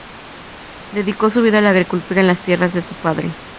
Dedicó su vida a la agricultura en las tierras de su padre.